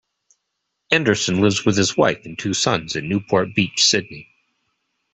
Anderson lives with his wife and two sons in Newport Beach, Sydney.